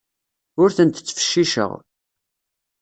Ur tent-ttfecciceɣ.